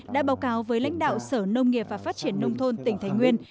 đã báo cáo với lãnh đạo sở nông nghiệp và phát triển nông thôn tỉnh thái nguyên